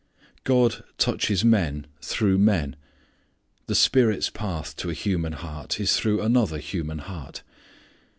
God touches men through men. The Spirit's path to a human heart is through another human heart.